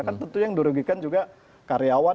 kan tentu yang dirugikan juga karyawan